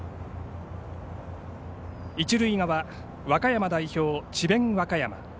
一塁側、和歌山代表、智弁和歌山。